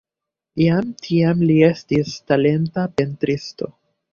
Jam tiam li estis talenta pentristo.